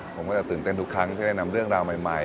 ผมก็จะตื่นเต้นทุกครั้งที่ได้นำเรื่องราวใหม่